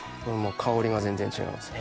香りが全然違いますね。